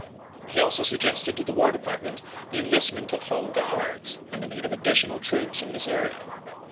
He also suggested to the War Department the enlistment of Home Guards and the need of addi tional troops in Missouri.